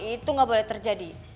itu ga boleh terjadi